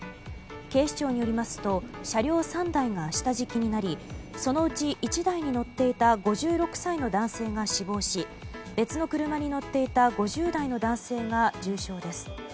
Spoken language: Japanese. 警視庁によりますと車両３台が下敷きになりそのうち１台に乗っていた５６歳の男性が死亡し別の車に乗っていた５０代の男性が重傷です。